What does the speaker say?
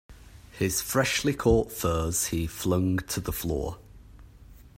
His freshly caught furs he flung to the floor.